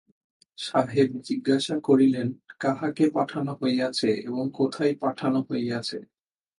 সাহেব জিজ্ঞাসা করিলেন, কাহাকে পাঠানো হইয়াছে এবং কোথায় পাঠানো হইয়াছে।